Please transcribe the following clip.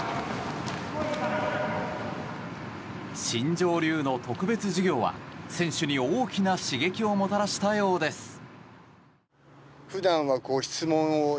新庄流の特別授業は選手に大きな刺激をもたらしたようです。